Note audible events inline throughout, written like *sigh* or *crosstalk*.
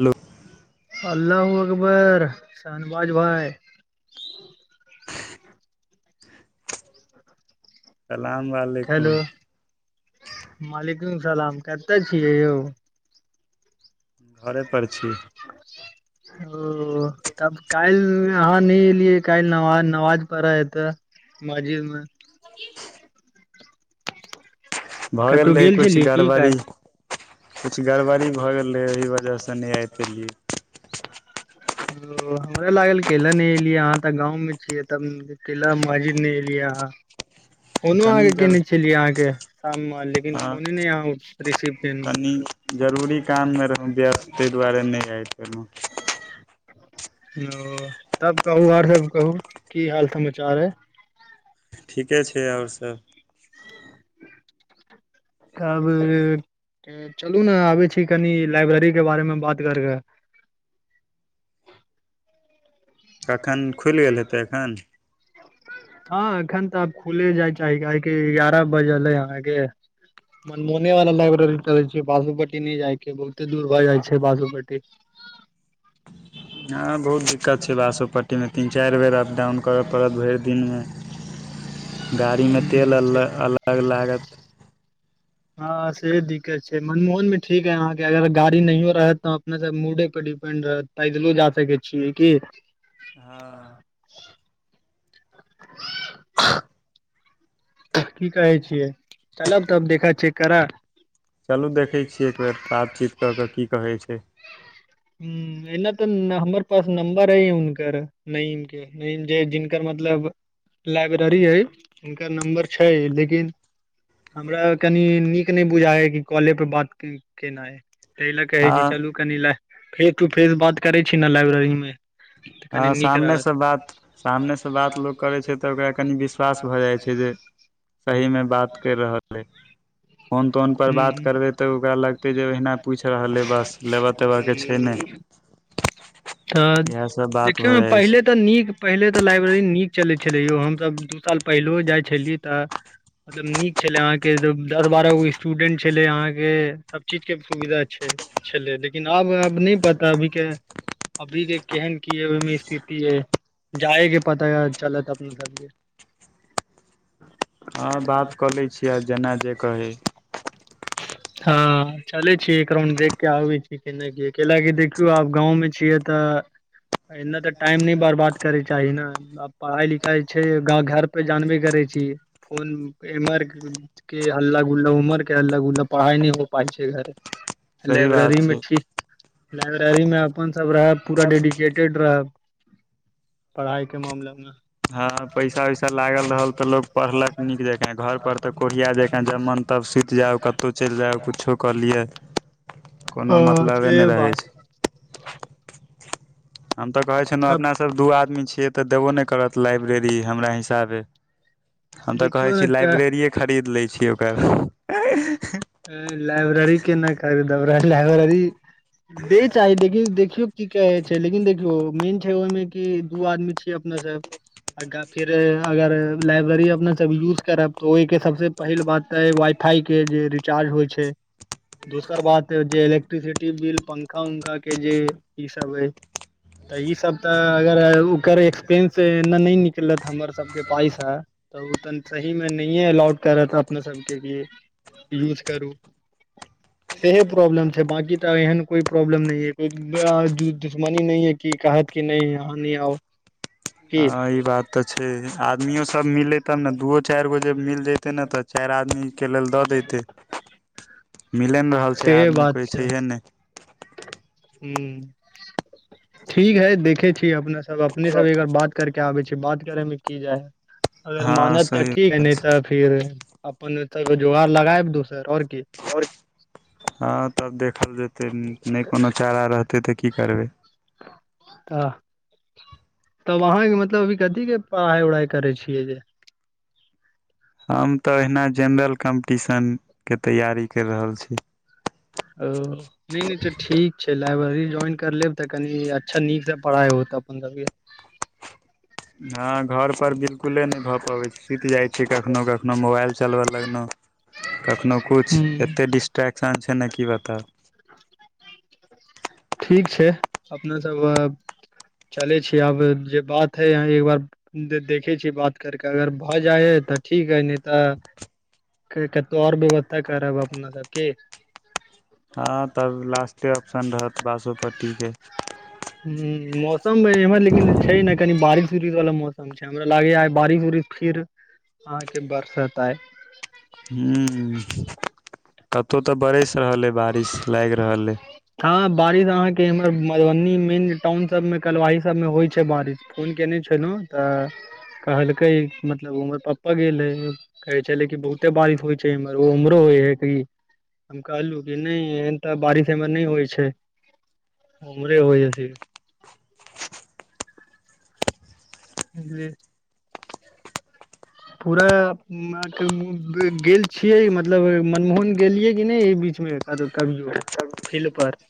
hello अल्ला हो अकबर शन बाजबै सलाम वालेकुम हेलो मालगुम सलाम केतऽ छियै यौ घरे पर छी ओ तब काइल अहाँ नै एलियै काइल नवा नवाज परहै एतऽ मस्जिद मऽ भऽ गेल कतहु रहै कुछ छलियै की गड़बड़ी काल्हि कुछ गड़बड़ी भऽ गेल रहै ओहि वजहसँ नय आइब पेलियै ओ हमरा लागल कैय लऽ नय एलियै अहाँ तऽ गाँव मे छियै तऽ कैय लऽ महजिद नय एलियै अहाँ फोनो कनि अहाँकेँ जल केयने छलियै अहाँकेँ शाम मऽ लेकिन हँ फोने नय अहाँ रिसीव केनु कनि जरूरी काममे रहौ व्यस्त तैय दुआरे नय आइब पेलै *inaudible* ओ तब कहू आओर सब कहू की हाल समाचार अय ठीके छै आओर सभ तब चलू नऽ आबै छी कनि लाइब्रेरी केँ बारे मे बात कर कऽ कखन खुइल गेल हेतै एखन *inaudible* हँ एखन तऽ आब खुले जाय छै कियकी एगारह बजलै अहाँके मनमोहने वाला लाइब्रेरी चलै छै बासोपट्टी नै जाय के बहुते दूर भऽ जाइ छै बासोपट्टी हँ बहुत दिक्कत छै बासोपट्टीमे तीन चैर बेर अपडाउन करऽ पड़त भैर दिनमे गाड़ीमे तेल हूं अल अलग लागत हँ सेहो दिक्कत छै मनमोहन मे ठीक अयअहाँके अगर गाड़ी नहियो रहत तऽ अपना सब मूडे पर डिपेंड रहत पैदलो जा सकै छियै कि हँ *inaudible* *inaudible* की कहै छियै चलब तब देखऽ चेक करऽ चलू देखै छियै एक बेेर बातचीत कऽ कऽ की कहैत छै हुॅं एना तऽ हमर पास नंबर अय हुनकर नइम के जे जिनकर मतलब लाइब्रेरी अय हुनकर नम्बर छै लेकिन हमरा कनि नीक नहि बुझाइ अयकि कॉले पर बात केनाई ताहि लऽ के अय हँ चलू कनि ला फेस टू फेस बात करै छी ने लाइब्रेरीमे हँ सामनेसँ बात सामनेसँ बात लोक करै छै तऽ ओकरा कनि विश्वास भऽ जाइ छै जे सही मे बात कैर रहल अय फोन तोन पर बात करबे ते ओकरा लगते जे ओहिना पूछ रहल अय बस लेबा तेब *unintelligible* तऽ इएह सब बात देखियौ भऽ ने जाइ पहिले छै तऽ नीक पहिले तऽ लाइब्रेरी नीक चलै छलै यौ हमतऽ दू साल पहिलैओ जाइ छलियै तऽ मतलब नीक छले अहाँ के दस बारह गो स्टूडेंट छले अहाँ के सब चीज के सुविधा छै छले लेकिन आब अब नहि पता अभी के अभी के केहन की ओयमेे स्थिति अय जाएके पता चलत अपने सबके हँ बात कऽ लै छियै आ जेना जे कहै *inaudible* हँ चले छी एक राउंड देख के आबे छी केना कि कइला कि आब गाँव में छियै त तऽ एहिना तऽ टाइम नै बर्बाद करैक चाही न आ पढ़ाई लिखाई छै गाँव घर पे जानबे करे छी फोन एमहर के हल्ला गुल्ला उमर के अलग उलग पढ़ाइ नहि हो पाइ छै घरे तऽ सही लाइब्रेरी बात मे छै ठीक लाइब्रेरी में अपन सब रहब पूरा डेडिकेट रहब पढ़ाई के मामले मे ह पैसा वैसा लागल रहल त लोग पढ़लक नीक जक घर पर ते कोरिया जका जब मन तब सुत ज जाउ कतहु चलि जाउ किछो कलियै कोनो ह मतलबे से नै रहै बात छै हम तऽ कहै छलहुँ तब अपनासभ दू आदमी छियै तऽ देबो नै करत लाइब्रेरी हमरा हिसाबे हम तऽ कहै देखियौ ने छी लाइब्रेरिए खरीद लै छी ओकर लाइब्रेरी केना खरीदब रह लाइब्रेरी दे चाही देखिन देखियौ की कहै छै लेकिन देखियौ मेन छै ओहिमे कि दू आदमी छियै अपना सब अगा फेर अगर लाइब्रेरी अपना सब यूज करब तऽ ओहिके सबसँ पहिल बात तऽ वाई फाई के जे रिचार्ज होइ छै दोसर बात जे इलेक्ट्रिसिटी बिल पंखा उंखा के जे ई सब है तऽ ई सब तऽ अगर ओकर एक्सपेंस एने नै निकलत हमर सबके पाइसा तऽ उऽ त सही मे नहिये अलउट कर अपना सब केँ *inaudible* लिए यूज करू *unintelligible* सेहे प्रॉब्लम छै बकी तऽ एहन कोई प्रॉब्लम न है को ब आ दु दुश्मनी न है की कहत कि नै अहान आहाँ नै आउ *inaudible* की हँ ई बात तऽ छै आदमियो सब सब मिले तब न दू ओ चाइर गो जे मिल जते न तऽ चाइर आदमी केँ लेल दऽ देते मिले नै रहल छै आदमी कोइ छैहे नै हु *inaudible* ठीक है देखे छी अपने सब अपने सब एकर बात करके आबै छै बात करे में की जाय है अगर हँ मानत तऽ सही ठीक बात है छै, तऽ फिर अपन ओत जोगड़ लगायब दोसर ओर की और *inaudible* हँ तब देखल जेतै नै कोनो चारा रहतै तऽ की करबै *unintelligible* तब अहाँकेँ मतलब अभ कथी केँ पढ़ाई उढ़ाई करे छियै जे हम तऽ अहिना जेनरल कम्पटिशन केँ तैयारी कर रहल छी हेलो नै नै तऽ ठीक छै लाइब्रेरी ज्वाइन कर लेब तऽ कनि अच्छा नीकसँ पढ़ाइ होत अपन सब केँ हँ घर पर बिल्कुले नै भऽ पबैत छै सुत जाइत छै कखनो कखनो मोबाइल चलब लगनौ कखनो किछ हूँ एतेक डिस्ट्रेक्शन छै न की बतेब *unintelligible* ठीक छै अपने सब अ चलै छी आब जे बात एक बार दे देखे छीयै बात करक अगर भऽ जाइ है तऽ ठीक है नै तऽ केई कतों और भी व्यवस्था करब अपना सब की हँ तब लास्टे ऑप्शन रहत बासोपट्टी केँ *unintelligible* हु मौसम एमहर लेकिन छै न कनि बारिश उरिश वाला मौसम छै हमरा लागेय बारिश उारिश फीर अहाँकेँ बरसत आय हु *inaudible* कतौ तऽ आय बरस रहल अ बारिश लाइग रहल अए हँ बारिश अहाँकेँ एम्हर मधुबनी मेन टाउन सब में कलवाही सब में होइ छै बारिश फोन केने छलौ तऽ कहलकै मतलब हमर पप्पा गेलै है कहै छलै कि बहुते बारिश होइ छै इमहर उमहरो होइ है कि हम कहलु कि नै एन तऽ बारिशमे नै होइ छै *inaudible* ओमहरे होइ है फिर *unintelligible* *unintelligible* *unintelligible* गेल छियै मतलब मनमोहन गेलियै कि नै एहि बीच मे कभियो फिलपर *inaudible*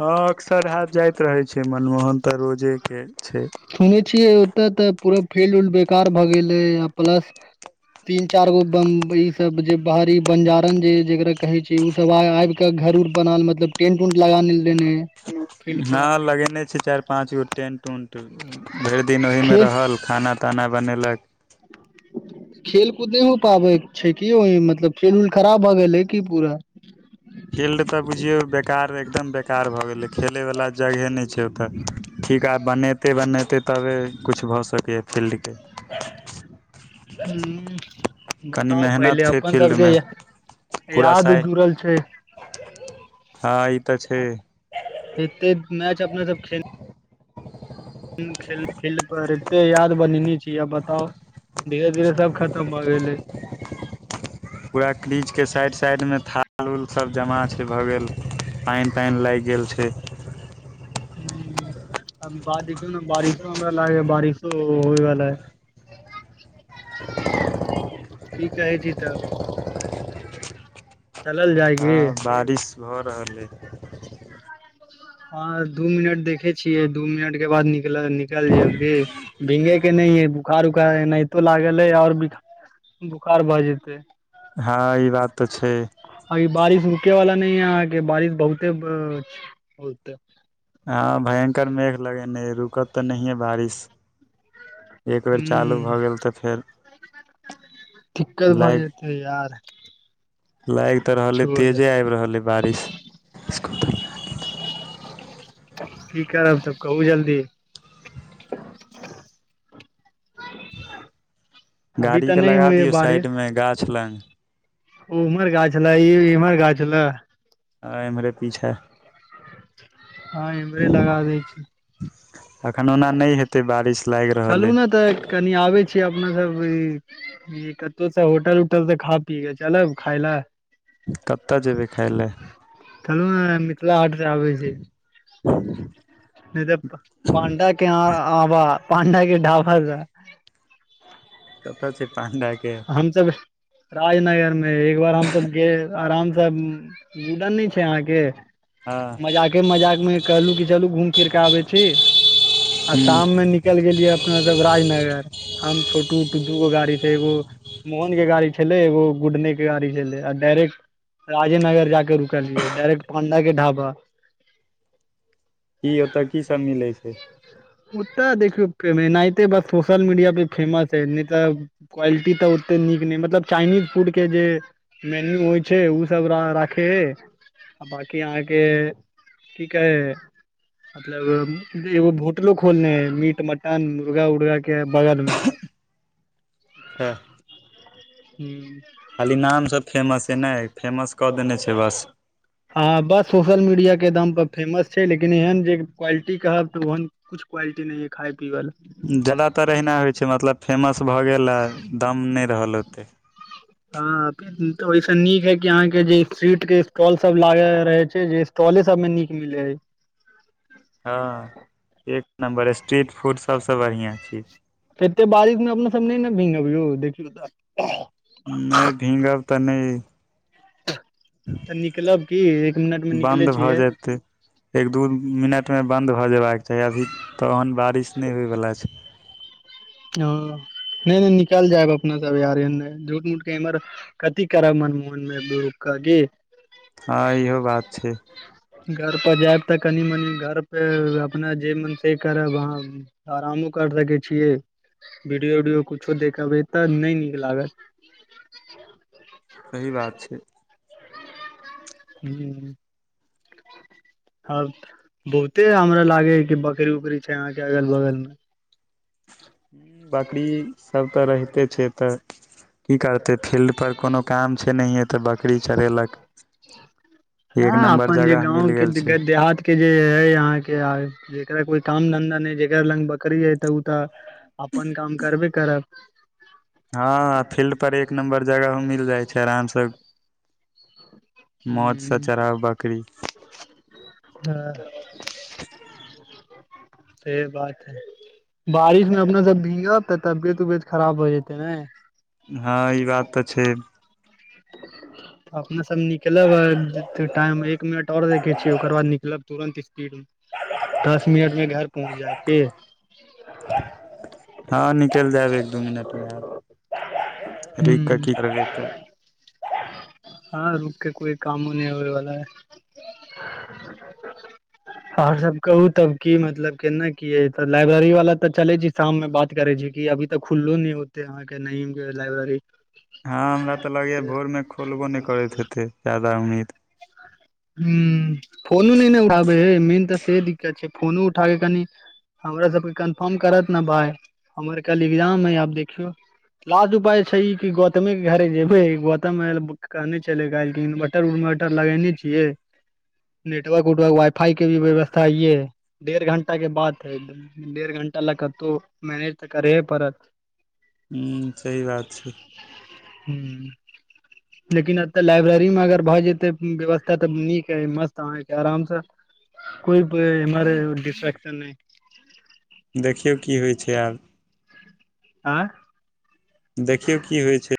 हऽ अक्सर हाँ जाइत रहे छै मनमोहन तऽ रोजे केँ छै सुन छियै ओतय तऽ पूरा फील्ड उल्ड बेकार भए गेलै आ प्लस तीन चार गो बम्ब ई सब जे बाहरी बंजारण जे जेकरा कहे छै कि ओ सब आय आब कऽ घर उर बनान मतलब टेंट ऊंट लगान लेल है फील्ड पर हँ लगेने छैय चाइर पाँच गो टेन्ट उन्ट भैर दिन ओहि में खे रहल खाना -ताना बनेलक खेल कूद नै हो पाबै छैय कि यो मतलब खेल उल खराब भऽ गेलै कि पूरा फील्ड तऽ बुझियो बेकार रहै एकदम बेकार भऽ गेले खेले वला जगहे नै छैय ओ तऽ ठीका बनेतै बनेतै तबे किछ भऽ सकैय फील्ड केँ *unintelligible* कनि बताउ पहिले मेहनत छै अपन सबके फील्डमे पूरा याद साइ जुड़ल छै हँ ई तऽ छै एतेक मैच अपना सब खेल *unintelligible* खेल-खेल-खेल पर एते याद बनेने छी किया बताउ धीरे - धीरे सब खतम भऽ गेलै पूरा क्रिचके साइड - साइड मे थाल उल सभ जमा छैय भऽ गेल पानि तानि लागि गेल छै हूं बाद देखियौ ने बारिशमे हमरा लागैया बारिशो होइ वला य *inaudible* कि कहै छी तब चलल जाय की हँ बारिश भऽ रहल अछि हँ दू मिनट देखै छियै दू मिनट के बाद निकलल निकलि जायब की भींगे के नहि है बोखार उखार एनाहितो लागल है और बोखार भऽ जेते हँ ई बात तऽ छै अभी बारिश रुकै वाला नै यै अहाँके बारिश बहुते बते हँ भयंकर मेघ लगेने यै रुकत तऽ नहिये बारिश एक बेर चालू हूं भऽ गेल तऽ फेर दिक्कत भऽ लाइफ जेतै यार लागि तऽ रहलै छोड़ तेजे आबि रहल ऐ बारिश की करब तब कहू जल्दी अभी गाड़ी तऽ के नहि लगा होइये दियौ साइड बारिश मे गाछ लग ओ उम्हर गाछ छले ई इम्हर गाछ छले आ एम्हरे पीछा हँ इम्हरे लगा दै छी अखन ओना नै हेतै बारिश लागि चलू रहल अइ ने तऽ कनि आबै छी अपना सब ई ई कतहुसँ होटल उटल से खा पीे के चलब खाय लऽ कतऽ जेबै खाय लए चलू नऽ आय मिथिला हाट सऽआबै छी ह *unintelligible* नहि तऽ पांडा के यहाॅं आब पांडा के ढाबा सऽ कतऽ छै पाण्डा के हम सब राजनगर मे एक बार हमसब गे आराम से मुडन नै छै अहाँके हँ मजाके मजाक मे कहलू की चलू घूम फिर के आबै छी आ हूँ शाम मे नि कल गेलियै अपना सब राजनगर हम छोटू टुट्टु के गाड़ी से एगो मोहन के गाड़ी छलै एगो गुडने के गाड़ी छलै आ डायरेक्ट राजेनगर जाक' रुक लियै डायरेक्ट पांडा के ढाबा की ओतय की सब मिलै छै ओ तऽ देखियौे एनहिते बस सोशल मीडिया पे फेमस है नहि तऽ क्वाय लटि तऽ ओते नीक नहि मतलब चाइनीज फूड के जे मेन्यू होइ छै उ सब राखे अछि आ बांकी अहांके ठीक अय मतलब एगो भोटलो खोलने अई मीट मटन मुर्गा उर्गा के बगल मे अचछा हूँ खाली नाम स फेमस छै नै फेमस कऽ देने छै बस त *inaudible* हँ बस सोशल मीडिया के दम प फेमस छै लेकिन एहन जे क्वालिटी कहब तऽ ओहन कुछ क्वालिटीं नै यै खाय पीबै ला जादातर अहिना होइ छै मतलब फेमस भऽ गेल आ दाम नै रहल ओते हँ तऽ त ओईस नीक है कि अहाँ के जे स्ट्रीट के स्टॉल सब लागल रहै छै जे स्टॉले सब मे नीक मिले हय हँ एक नम्बर स्ट्रीट फूड सबसँ बढ़ियाँ छै ऐते बारिश मे अपना सब नै ने भींगब यौ देखियौ त नै भींगब त नै त निकलब की एक मिनट मे बन्द निकलै भऽ छियै जेतै एक दू मिनट मे बन्द भ जेबाक चाही अभी त ओहन बारिश नै होइवला छै ओ नै नै निकल जायब अपना सब यारेन झूठ मुठ के इमहर कथी करारब मन मोहन मे बूरकागे *unintelligible* हाँ इहो बात छै घर पर जायब त कनि मनी घर पे अपना जे मन से करब अहाँ आरा मो कर सकैे छियै वीडियो उडियो कुछो देखबै त नै नीक लागत सही बात छै हूँ आ बहुते हमरा लागै या कि बकरी उकरी छै आहाँ के अगल बगल मे हूँ बकरी सब त रहिते छै एत की करतै फील्ड पर कोनो काम छै नहिये त बकरी चरेलक एक हँ नम्बर अपन जे जगह गाँंव मिल के गेल छै देहात के जे ऐ यहाँ के जेकरा कोई काम धंधा नै जेकरा लग बकरी ऐ उ त अपन काम करबे करब हाँ हाँ फील्ड पर एक नम्बर जगह हो मिल जाइ छै आराम स हूँ बकरी हँ से बात है बारिश मे अपना सब भींगब त तबियत उबियत खराब हो जेतै नाय हाँ ई बात त छै अपना सब निकलब आ टाइम एक मिनट आओर देखै छियै ओकर बाद निकलब तुरन्त स्पीड मे दस मिनट मे घर पहुँच जाएब की हाँ निकैल जाएब एक दो मिनट मे आब रुक क ह की करबै एत हाँ रुक के कोई कामो नै होएवला अई आओर सब कहू तब की मतलब केना की अई त लाइब्रेरी वाला त चलै छी शाम मे बात करै छी की अभी तक खुलो नै होतै आहाँ के न लाइब्रेरी हाँ हमरा त लगैया भोर मे खोलबो नै करैत हेतै जादा उम्मीद *inaudible* हूँ फोनो नै ने उठाबै है मेन तऽ से दिक्कत छैय फोनो उठाब क कनि हमरा सबके कन्फर्म करत न भाय हमर कल एग्जाम अई आब देखियौ लास्ट उपाय छैय ई कि गौतमे के घरे जेबै गौतम कहने छले गाइज इनबटर उन बटर लगेने छिये नेटवर्क उटवर्क वाईफाई के भी व्यवस्था ये डेढ़ घण्टा के बात है डेढ़ घंटा लग कतु मैनेज त करे हे पड़त हूँ सही बात छे हूँ लेकिन एतय लाइब्रेरी में अगर भए जेते व्यवस्था तऽ नीक य मस्त अहाँ के आराम से *inaudible* देखियौ कि होइ छैय आब आँय देखियौ कि होइ छैय